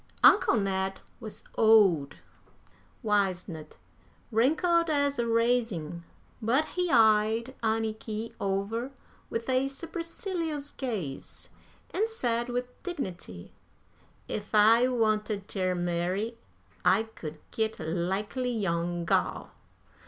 Uncle Ned was old, wizened, wrinkled as a raisin, but he eyed Anniky over with a supercilious gaze, and said with dignity: "Ef I wanted ter marry, I could git a likely young gal."